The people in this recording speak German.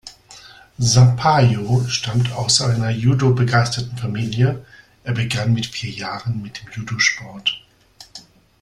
Sampaio stammt aus einer Judo-begeisterten Familie, er begann mit vier Jahren mit dem Judosport.